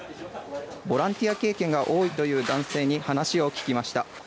ボランティア経験が多いという男性に話を聞きました。